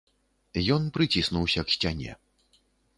Ён прыціснуўся к сцяне.